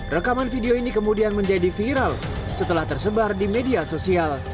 rekaman video ini kemudian menjadi viral setelah tersebar di media sosial